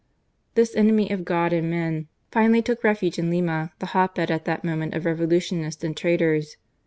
This enemy of God and men finally took refuge in Lima, the hot bed at that ONE AGAINST ALL. 145 moment of Revolutionists and traitors.